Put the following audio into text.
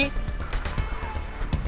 kijang tiga masuk